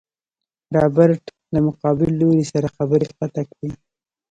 رابرټ له مقابل لوري سره خبرې قطع کړې.